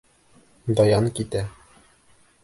Даян китә.